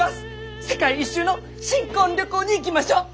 世界一周の新婚旅行に行きましょう！